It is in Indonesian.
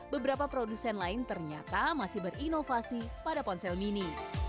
beberapa produsen lain ternyata masih berinovasi pada ponsel mini